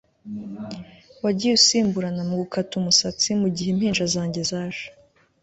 wagiye usimburana mugukata umusatsi mugihe impinja zanjye zaje